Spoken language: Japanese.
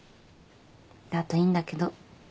だといいんだけど。